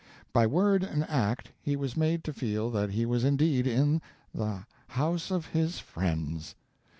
By word and act he was made to feel that he was indeed in the "house of his friends."